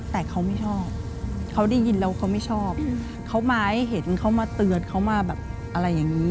แต่เขาไม่ชอบเขาได้ยินแล้วเขาไม่ชอบเขามาให้เห็นเขามาเตือนเขามาแบบอะไรอย่างนี้